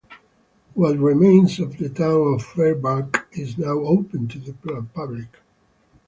What remains of the town of Fairbank is now open to the public.